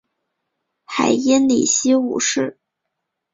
海因里希五世。